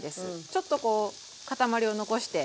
ちょっとこう塊を残して。